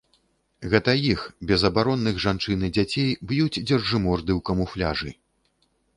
Гэта іх, безабаронных жанчын і дзяцей, б'юць дзяржыморды ў камуфляжы.